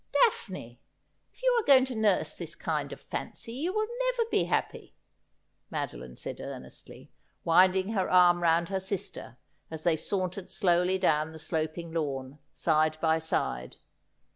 ' Daphne, if you are going to nurse this kind of fancy you will never be happy,' Madeline said earnestly, winding her arm round her sister, as they sauntered slowly down the sloping lawn, side by side.